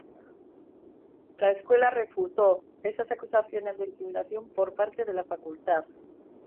La escuela refutó esas acusaciones de intimidación por parte de la facultad.